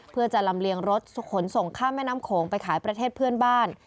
เพื่อจะลำเลียงรถขนส่งข้ามแม่น้ำโขงไปขายประเทศเพื่อนบ้าน